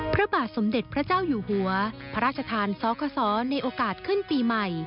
พระบาทสมเด็จพระเจ้าอยู่หัวพระราชทานสขในโอกาสขึ้นปีใหม่